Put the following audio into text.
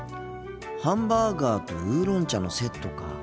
ハンバーガーとウーロン茶のセットか。